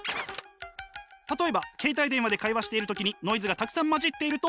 例えば携帯電話で会話している時にノイズがたくさん混じっていると。